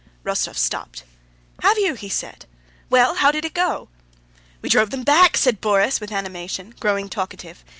Rostóv stopped. "Have you?" he said. "Well, how did it go?" "We drove them back!" said Borís with animation, growing talkative.